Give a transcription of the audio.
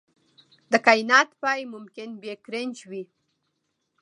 د کائنات پای ممکن بیګ کرنچ وي.